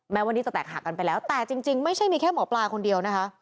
แม้วันนี้จะแตกหักกันไปแล้วแต่จริงไม่ใช่มีแค่หมอปลาคนเดียวนะคะ